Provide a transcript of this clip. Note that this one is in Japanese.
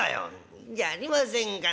「いいじゃありませんかねえ。